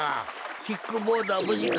キックボードはぶじか？